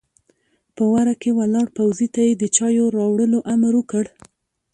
په وره کې ولاړ پوځي ته يې د چايو د راوړلو امر وکړ!